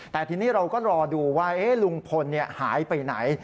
แต่ทีนี้เราก็รอดูว่าลุงพลหายไปไหน